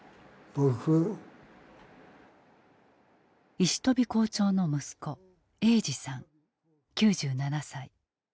石飛校長の息子英二さん９７歳。